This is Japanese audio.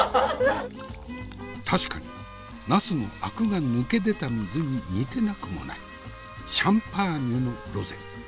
確かにナスのアクが抜け出た水に似てなくもないシャンパーニュのロゼ。